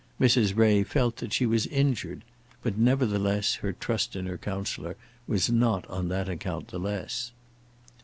Mrs. Ray felt that she was injured; but, nevertheless, her trust in her counsellor was not on that account the less.